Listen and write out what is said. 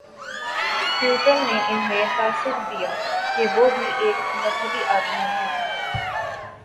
Putin نے انہیں تاثر دیا کہ وہ بھی ایک مذہبی آدمی ہیں۔